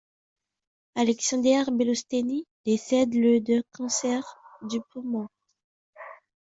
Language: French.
Alexander Belostenny décède le d'un cancer du poumon.